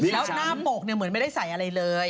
แล้วหน้าปกเหมือนไม่ได้ใส่อะไรเลย